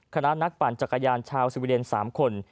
คณะนักปั่นจักรยานชาวสวีเดน๓คน